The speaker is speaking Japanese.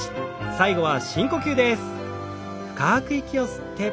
最後は深呼吸です。